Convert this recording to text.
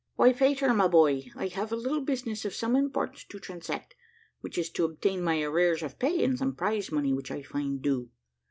"Why, Peter, my boy, I have a little business of some importance to transact; which is to obtain my arrears of pay, and some prize money which I find due.